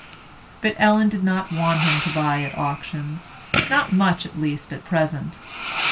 But Ellen did not want him to buy at auctions—not much at least at present.